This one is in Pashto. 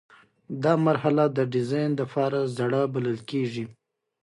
دا مرحله د ډیزاین زړه بلل کیږي.